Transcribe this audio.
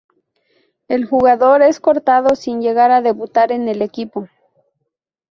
El jugador es cortado sin llegar a debutar en el equipo.